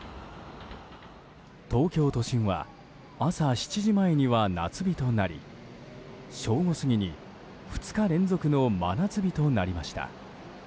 東京都心は朝７時前には夏日となり正午過ぎに２日連続の真夏日となりました。